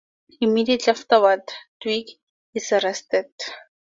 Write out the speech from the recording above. Immediately afterward, Dwight is arrested.